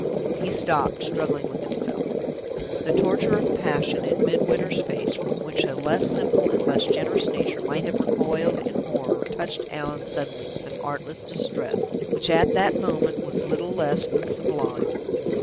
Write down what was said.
He stopped, struggling with himself. The torture of passion in Midwinter's face, from which a less simple and less generous nature might have recoiled in horror, touched Allan suddenly with an artless distress, which, at that moment, was little less than sublime.